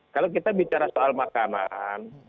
kalau kita bicara soal makanan